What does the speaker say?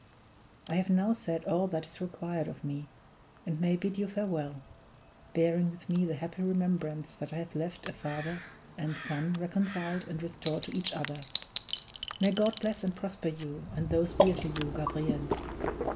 I have now said all that is required of me, and may bid you farewell bearing with me the happy remembrance that I have left a father and son reconciled and restored to each other. May God bless and prosper you, and those dear to you, Gabriel!